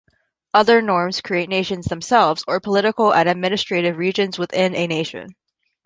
Other norms create nations themselves or political and administrative regions within a nation.